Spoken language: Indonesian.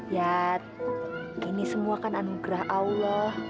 ya ini semua kan anugerah allah